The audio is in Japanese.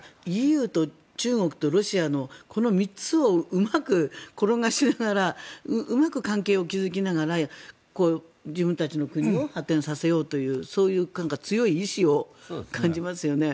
ＥＵと中国とロシアのこの３つをうまく転がしながらうまく関係を築きながら自分たちの国を発展させようというそういう強い意思を感じますよね。